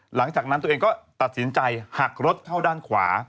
หลังจากนั้นตัวเองก็ตัดสินใจหักรถเข้าด้านขวา